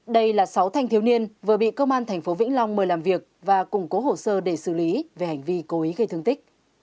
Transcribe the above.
đây là sáu thanh thiếu niên vừa bị công an tp vĩnh long mời làm việc và củng cố hồ sơ để xử lý về hành vi cố ý gây thương tích